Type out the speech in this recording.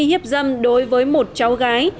hiếp dâm đối với một cháu gái